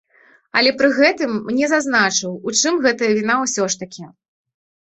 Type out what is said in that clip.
Але пры гэтым не зазначыў, у чым гэтая віна ўсё ж такі.